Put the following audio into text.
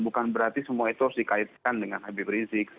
bukan berarti semua itu harus dikaitkan dengan habib rizik